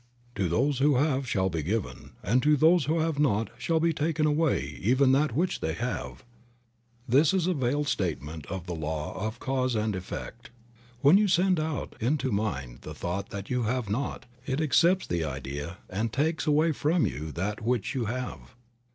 "To those who have shall be given, and to those who have not shall be taken away even that which they have." This is a veiled statement Creative Mind. 63 of the law of cause and effect. When you send out into mind the thought that you have not, it accepts the idea and takes away from you even that which you have.